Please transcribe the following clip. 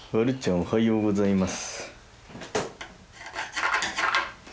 おはようございます。